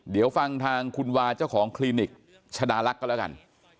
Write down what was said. เดี๋ยวฟังทางคุณวาเจ้าของคลินิกชะดาลักษณ์ก็แล้วกัน